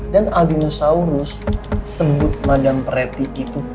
dan aldinosaurus sebut madam preti itu tante